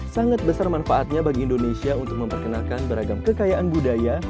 sangat besar manfaatnya bagi indonesia untuk memperkenalkan beragam kekayaan budaya